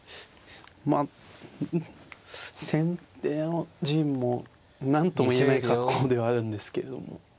まあ先手の陣も何とも言えない格好ではあるんですけれども。